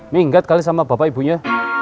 minggat kali sama bapak ibunya